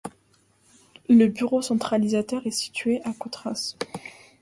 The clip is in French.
Le bureau centralisateur est situé à Coutras.